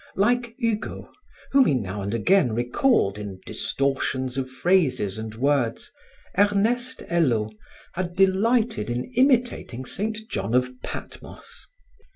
Like Hugo, whom he now and again recalled in distortions of phrases and words, Ernest Hello had delighted in imitating Saint John of Patmos.